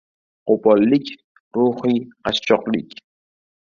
Qo‘pollik — ruhiy qashshoqlik.